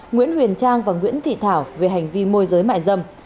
nguyễn huyền trang và nguyễn thị thảo về hành vi môi giới mại dâm